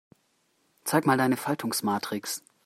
Zeig mal deine Faltungsmatrix.